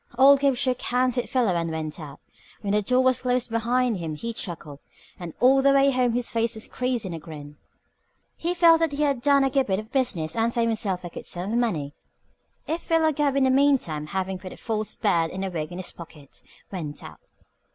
Old Gabe shook hands with Philo and went out. When the door was closed behind him he chuckled, and all the way home his face was creased in a grin. He felt that he had done a good bit of business and saved himself a good sum of money. Philo Gubb, in the meantime, having put a false beard and a wig in his pocket, went out.